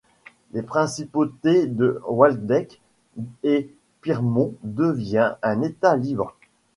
La principauté de Waldeck et Pyrmont devient un État libre.